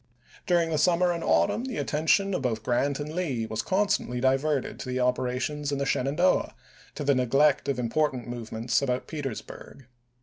During the summer and autumn the attention of both Grant and Lee was constantly diverted to the operations in the Shenandoah to the neglect of important movements about Petersburg.